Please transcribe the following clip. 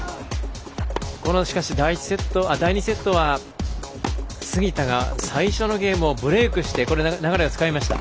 しかし第２セットは杉田が最初のゲームをブレークして流れをつかみました。